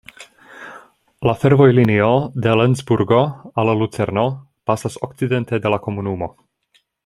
La fervojlinio de Lencburgo al Lucerno pasas okcidente de la komunumo.